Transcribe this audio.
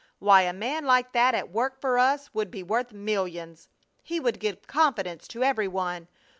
Why, a man like that at work for us would be worth millions! He would give confidence to every one!